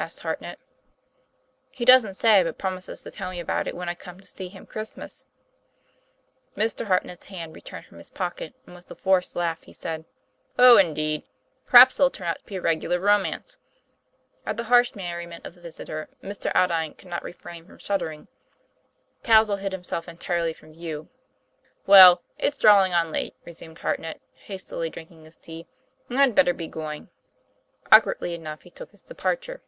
asked Hartnett. 'He doesn't say; but promises to tell me about it when I come to see him Christmas." Mr. Hartnett's hand returned from his pocket, and with a forced laugh, he said: TOM PLAY FAIR. 223 "Oh, indeed! Perhaps it'll turn out to be a reg ular romance." At the harsh merriment of the vis itor, Mrs. Aldine could not refrain from shuddering. Touzle hid himself entirely from view. "Well, it's drawing on late," resumed Hartnett, hastily drinking his tea, "and I'd better be going." Awkwardly enough he took his departure.